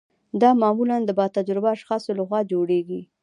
دا معمولا د با تجربه اشخاصو لخوا جوړیږي.